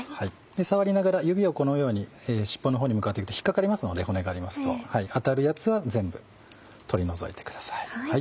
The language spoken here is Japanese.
触りながら指をこのように尻尾のほうに向かって行くと引っ掛かりますので骨がありますと当たるやつは全部取り除いてください。